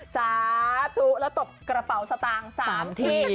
สาธุแล้วตบกระเป๋าสตางค์๓ที่